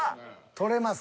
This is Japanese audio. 取れます。